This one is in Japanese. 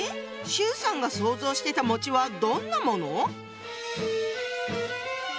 周さんが想像してたはどんなもの？